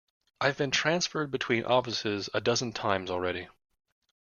I've been transferred between offices a dozen times already.